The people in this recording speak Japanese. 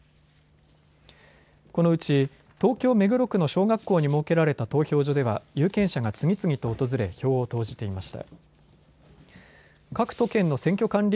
このうち東京目黒区の小学校に設けられた投票所では有権者が次々と訪れ、票を投じていました。